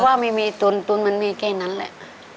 เพราะว่ามีทุนทุนมันมีแค่นั้นแหละ